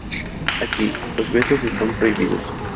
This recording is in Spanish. Aquí, los besos están prohibidos.